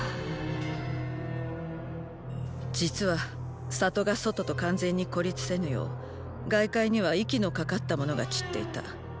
実は里が外と完全に孤立せぬよう外界には息のかかった者が散っていた。